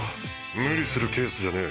無理するケースじゃねえ。